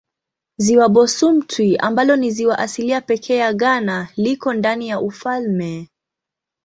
Ziwa Bosumtwi ambalo ni ziwa asilia pekee ya Ghana liko ndani ya ufalme.